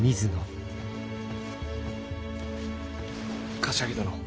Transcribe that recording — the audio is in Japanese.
柏木殿。